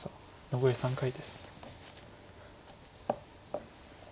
残り３回です。